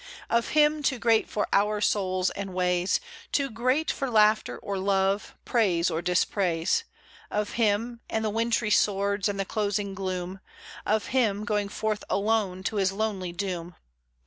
Of Him, too great for our souls and ways, Too great for laughter or love, praise or dispraise, Of Him, and the wintry swords, and the closing gloom Of Him going forth alone to His lonely doom.